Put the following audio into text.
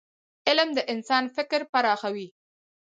علم د انسان فکر پراخوي.